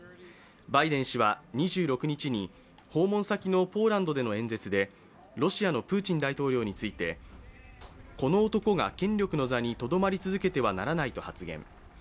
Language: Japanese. バイデン氏は２６日に訪問先のポーランドでの演説でロシアのプーチン大統領について、この男が権力の座にとどまり続けてはならないと発言。